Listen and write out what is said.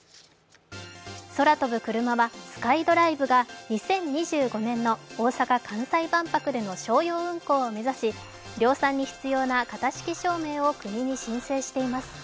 空飛ぶクルマはＳｋｙＤｒｉｖｅが２０２５年の大阪・関西万博での商用運航を目指し量産に必要な型式証明を国に申請しています。